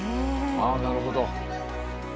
あなるほど。